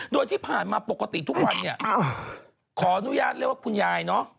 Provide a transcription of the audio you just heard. โดยที่ผ่านมาปกติทุกวันเนี่ยขออนุญาตเรียกว่าคุณยายเนอะ